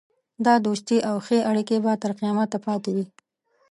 دا دوستي او ښې اړېکې به تر قیامته پاته وي.